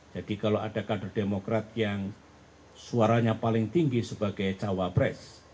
jadi kalau ada kader demokrat yang suaranya paling tinggi sebagai cawapres